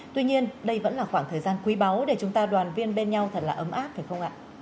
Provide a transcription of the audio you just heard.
tuy nhiên đây vẫn là khoảng thời gian quý báu để chúng ta đoàn viên bên nhau thật là ấm áp phải không ạ